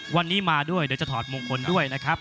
วันนี้มาด้วยเดี๋ยวจะถอดมงคลด้วยนะครับ